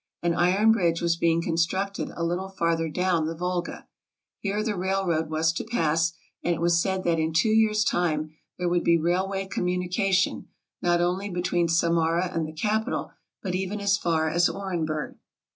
An iron bridge was being constructed a little farther down the Volga. Here the railroad was to pass, and it was said that in two years' time there would be railway communication, not only between Samara and the capital, but even as far as Orenburg.